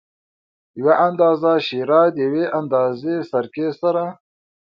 یو اندازه شېره د یوې اندازه سرکې سره.